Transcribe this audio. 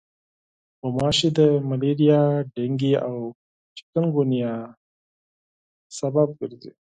غوماشې د ملاریا، ډنګي او چکنګونیا سبب ګرځي.